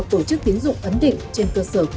tổ chức tiến dụng ấn định trên cơ sở